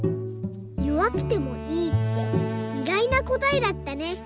「よわくてもいい」っていがいなこたえだったね。